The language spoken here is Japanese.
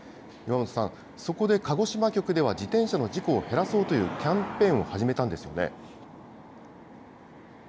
そこで鹿児島局では、自転車の事故を減らそうというキャンペーンを始めたんですよね。